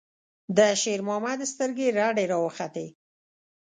د شېرمحمد سترګې رډې راوختې.